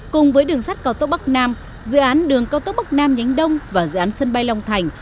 cùng với đường sắt cao tốc bắc nam dự án đường cao tốc bắc nam nhánh đông và dự án sân bay long thành